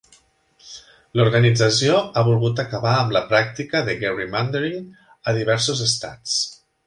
L'organització ha volgut acabar amb la pràctica de "gerrymandering" a diversos estats.